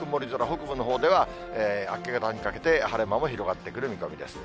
北部のほうでは、明け方にかけて晴れ間も広がってくる見込みです。